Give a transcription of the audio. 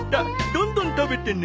どんどん食べてね。